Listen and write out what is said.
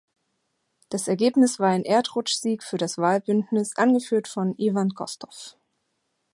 Das Ergebnis war ein Erdrutschsieg für das Wahlbündnis angeführt von Iwan Kostow.